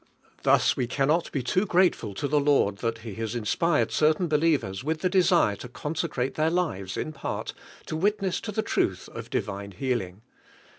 Thus we cannot be too grateful to the Lord that lie has inspired certain believers with the desire to consecrate their lives, in part, to wit ness to the truth of divine healing.